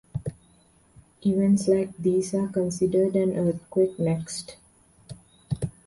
Events like these are considered an "earthquake next".